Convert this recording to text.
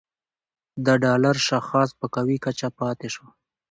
د ډالر شاخص په قوي کچه پاتې شو